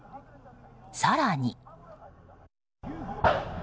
更に。